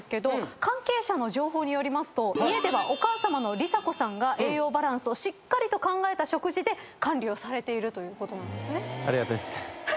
家ではお母さまのりさ子さんが栄養バランスをしっかりと考えた食事で管理をされているということなんですね。